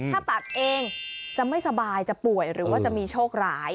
ถ้าตัดเองจะไม่สบายจะป่วยหรือว่าจะมีโชคร้าย